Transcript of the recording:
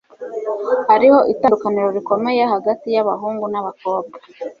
Hariho itandukaniro rikomeye hagati yabahungu nabakobwa